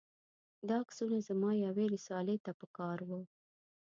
دا عکسونه زما یوې رسالې ته په کار و.